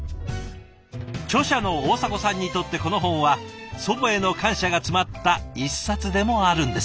著者の大迫さんにとってこの本は祖母への感謝が詰まった一冊でもあるんです。